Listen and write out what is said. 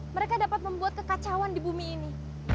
mereka dapat membuat kekacauan di bumi ini